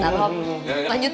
ini enggak enak